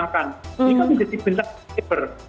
ini kan menjadi bencana cyber